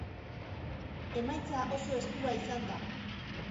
Emaitza oso estua izan da.